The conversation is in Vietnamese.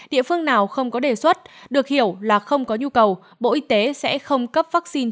địa phương nào không có đề xuất được hiểu là không có nhu cầu bộ y tế sẽ không cấp vaccine